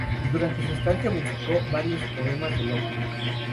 Durante su estancia, musicó varios poemas de Lope.